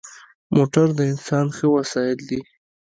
موټر د انسان ښه وسایل دی.